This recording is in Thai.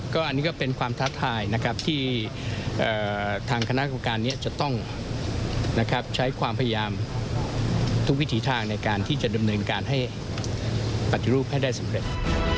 อันนี้ก็เป็นความท้าทายนะครับที่ทางคณะกรรมการนี้จะต้องใช้ความพยายามทุกวิถีทางในการที่จะดำเนินการให้ปฏิรูปให้ได้สำเร็จ